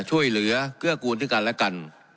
ช่วยเหลือเกื้อกูลด้วยกันและกัน